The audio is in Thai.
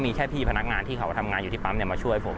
มีแค่พี่พนักงานที่เขาทำงานอยู่ที่ปั๊มมาช่วยผม